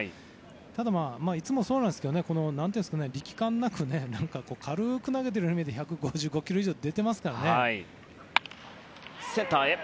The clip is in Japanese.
ただ、いつもそうなんですけど力感なく軽く投げているように見えて１５５キロ以上出てますからね。